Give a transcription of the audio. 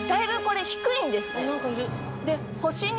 何かいる。